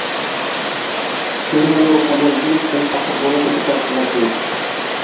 Ниңә әле ул Камалетдиновтың саҡырғанын көтөп ятырға тейеш?